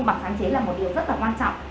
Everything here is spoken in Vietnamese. mặt sáng chế là một điều rất là quan trọng